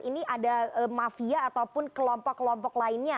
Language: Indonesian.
ini ada mafia ataupun kelompok kelompok lainnya